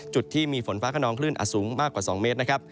จุดที่มีฝนฟ้าขนองคลื่นอาจสูงมากกว่า๒เมตรนะครับ